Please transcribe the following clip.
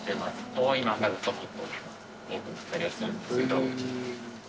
多い漫画だともっと多くなったりはするんですけど。